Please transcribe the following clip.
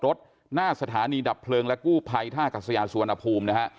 ตรดหน้าสถานีดับเพลิงและกู้ภัยท่ากับสยานสวนอภูมิ